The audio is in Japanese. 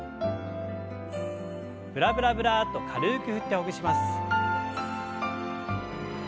ブラブラブラッと軽く振ってほぐします。